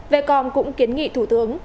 vecom cũng kiến nghị thủ tướng